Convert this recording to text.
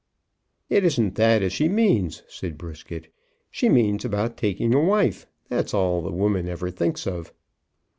"It isn't that as she means," said Brisket. "She means about taking a wife. That's all the women ever thinks of."